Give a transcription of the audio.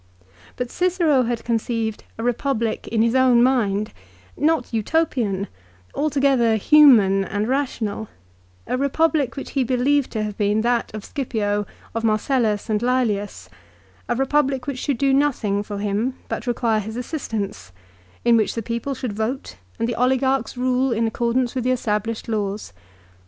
But Cicero had conceived a Eepublic in his own mind, not Utopian, alto gether human and rational, a Eepublic which he believed to have been that of Scipio, of Marcellus, and Lelius, a Eepublic which should do nothing for him but require his assistance, in which the people should vote and the oligarchs rule in accordance with the established laws.